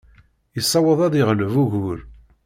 Yessaweḍ ad yeɣleb ugur.